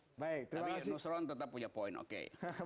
tapi nusron tetap punya poin oke